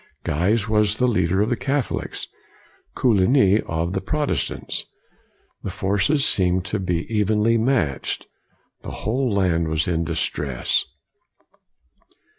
Guise was the leader of the Catholics, Coligny of the Protestants. The forces seemed to be COLIGNY 157 evenly matched. The whole land was in distress.